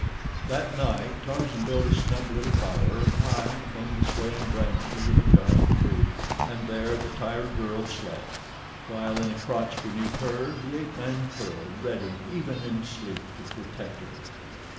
That night Tarzan built a snug little bower high among the swaying branches of a giant tree, and there the tired girl slept, while in a crotch beneath her the ape man curled, ready, even in sleep, to protect her.